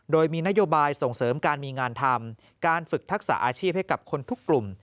โดยมีนโยบายส่งเสริมการมีงานทำการฝึกทักษะอาชีพให้กับคนทุกกลุ่ม